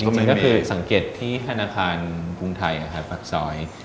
จริงก็คือสังเกตที่ธนาคารกรุงไทยอ่ะค่ะปากซอย